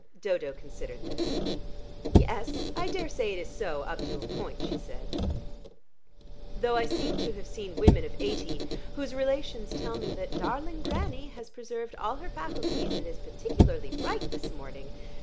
Dodo considered this. "Yes, I daresay it is so up to a point," she said, "though I seem to have seen women of eighty whose relations tell me that darling granny has preserved all her faculties, and is particularly bright this morning.